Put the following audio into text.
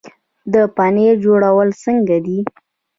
د پنیر جوړول څنګه دي؟